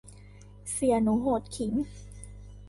เสี่ยหนูโหดขิง